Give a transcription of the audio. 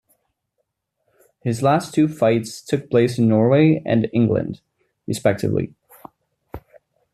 His last two fights took place in Norway and England, respectively.